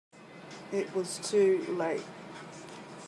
It was too late.